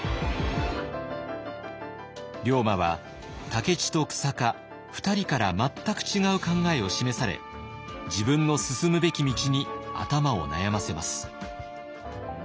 龍馬は武市と久坂２人から全く違う考えを示され自分の進むべき道に頭を悩ませます。